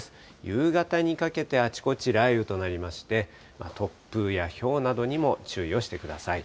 夕方にかけてあちこち雷雨となりまして、突風やひょうなどにも注意をしてください。